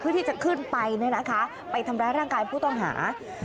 ที่จะขึ้นไปไปทำร้ายร่างกายผู้ต้องหา